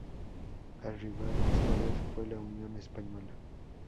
El rival esta vez fue la Unión Española.